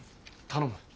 頼む。